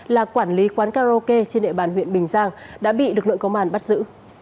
là quản lý quán karaoke trên địa bàn huyện bình giang đã bị lực lượng công an bắt giữ